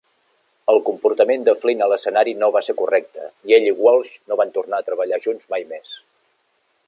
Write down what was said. El comportament de Flynn a l'escenari no va ser correcte i ell i Walsh no van tornar a treballar junts mai més.